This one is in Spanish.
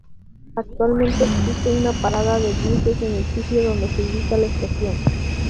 Actualmente existe una parada de buses en el sitio donde se ubicaba la estación.